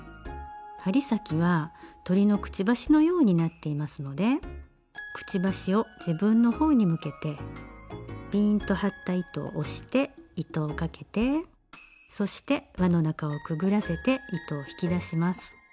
針先は鳥のくちばしのようになっていますのでくちばしを自分の方に向けてピーンと張った糸を押して糸をかけてそして輪の中をくぐらせて糸を引き出します。